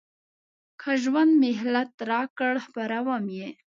که ژوند مهلت راکړ خپروم یې.